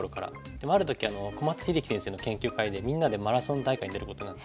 でもある時小松英樹先生の研究会でみんなでマラソン大会に出ることになって。